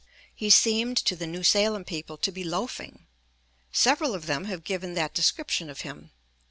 He seemed to the New Salem people to be "loafing"; several of them have given that description of him.